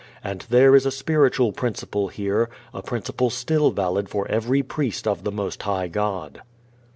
And there is a spiritual principle here, a principle still valid for every priest of the Most High God.